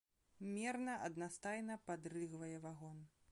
Мерна, аднастайна падрыгвае вагон.